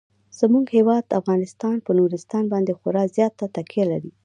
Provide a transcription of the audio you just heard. زموږ هیواد افغانستان په نورستان باندې خورا زیاته تکیه لري.